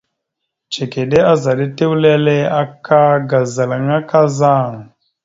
Cikiɗe azaɗ etew lele aka ga zalŋa kazaŋ.